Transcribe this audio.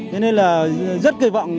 nên là rất kỳ vọng